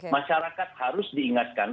masyarakat harus diingatkan